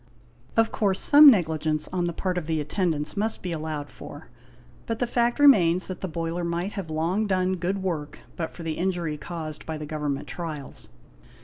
Of course some negligence on the part of the atten dants must be allowed for, but the fact remains that the boiler might have long done good work but for the injury caused by the Government trials.